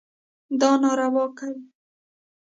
دا ناروا کوي.